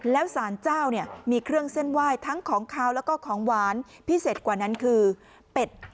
แล้วสารเจ้าเนี่ยมีเครื่องเส้นไหว้ทั้งของขาวแล้วก็ของหวานพิเศษกว่านั้นคือเป็ด